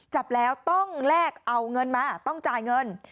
จับแล้วต้องแลกเอาเงินมาต้องจ่ายเงิน